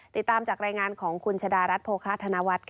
ติดตามจากรายงานของคุณชะดารัฐโภคาธนวัฒน์ค่ะ